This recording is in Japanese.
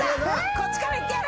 こっちからいってやる！